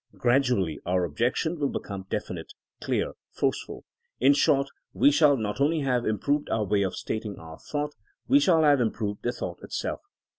Gradually our objection will become definite, clear, forceful. In short, we shall not only have improved our way of stating our thought ; we shall have improved the thought itself.